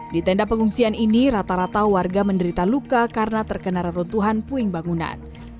di tenda pengungsian ini rata rata warga menderita luka karena terkena reruntuhan puing bangunan